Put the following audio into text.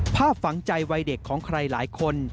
ภาพฝังใจวัยเด็กของใครหลายคน